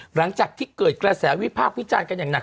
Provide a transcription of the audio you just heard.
หลังจากที่เกิดกระแสวิพากษ์วิจารณ์กันอย่างหนัก